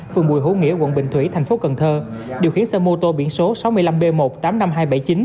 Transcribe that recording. phường bùi hữu nghĩa quận bình thủy thành phố cần thơ điều khiển xe mô tô biển số sáu mươi năm b một trăm tám mươi năm nghìn hai trăm bảy mươi chín